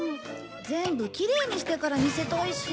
全部きれいにしてから見せたいし。